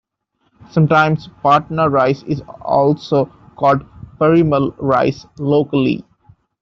Sometimes, Patna rice is also called "Parimal" rice locally.